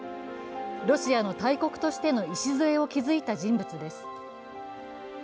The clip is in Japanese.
ロシアの大国としての礎を築いた人物です。